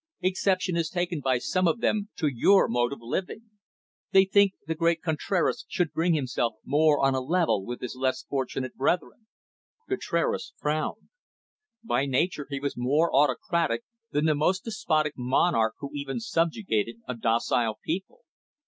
Exception is taken by some of them to your mode of living. They think the great Contraras should bring himself more on a level with his less fortunate brethren." Contraras frowned. By nature he was more autocratic than the most despotic monarch who even subjugated a docile people.